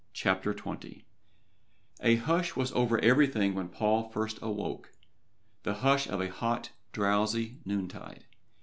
CHAPTER XX A hush was over everything when Paul first awoke the hush of a hot, drowsy noontide.